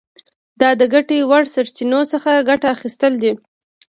دا د ګټې وړ سرچینو څخه ګټه اخیستل دي.